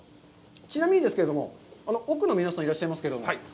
ちなみにですけども、奥の皆さん、いらっしゃいますけれども。